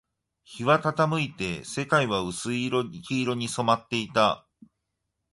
日は傾いて、世界は薄い黄色に染まっていた